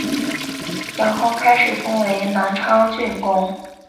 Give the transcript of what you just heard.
杨珙开始封为南昌郡公。